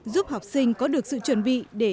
giúp học sinh có được sự chuẩn bị để